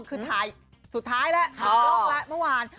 คือถ่ายสุดท้ายแล้วปิดกล้องแล้วเมื่อวาน